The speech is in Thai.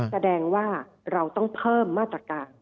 แสดงว่าเราต้องเพิ่มมาตรการ